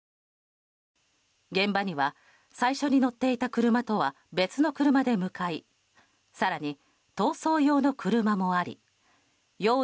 現場には最初に乗っていた車とは別の車で向かい更に、逃走用の車もあり用意